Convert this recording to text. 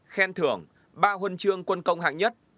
khen thưởng ba huân trường quân công hạng nhất